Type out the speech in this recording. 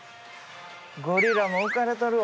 ゴリラも浮かれとるわ。